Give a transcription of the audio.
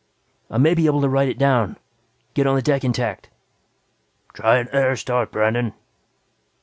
"I may be able to ride it down. Get it on the deck intact." "Try an air start, Brandon."